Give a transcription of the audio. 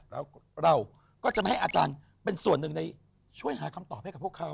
แล้วเราก็จะไม่ให้อาจารย์เป็นส่วนหนึ่งในช่วยหาคำตอบให้กับพวกเขา